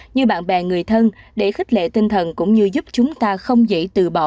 như bạn bè người thân để khích lệ tinh thần cũng như giúp chúng ta không dễ từ bỏ